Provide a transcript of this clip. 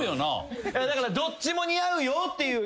だからどっちも似合うよっていう。